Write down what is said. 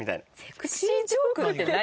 セクシージョークって何？